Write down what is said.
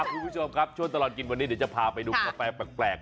คุณผู้ชมครับช่วงตลอดกินวันนี้เดี๋ยวจะพาไปดูกาแฟแปลก